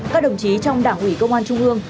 các đồng chí trong đảng ủy công an trung ương